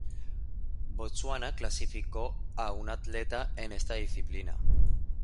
Botsuana clasificó a un atleta en esta disciplina.